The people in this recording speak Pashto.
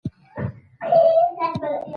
پسه د خپلو بچیو مینه لري.